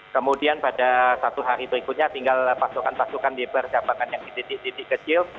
kemudian pada satu hari berikutnya tinggal pasukan pasukan diberjabatkan yang titik titik kecil